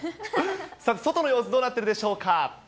さて、外の様子、どうなってるでしょうか。